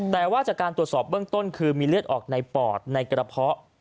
แต่ว่าจากการตรวจสอบเบื้องต้นคือมีเลือดออกในปอดในกระเพาะ